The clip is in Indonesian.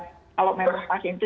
kalau memang pasien itu